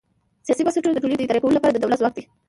سیاسي بنسټونه د ټولنې د اداره کولو لپاره د دولت ځواک دی.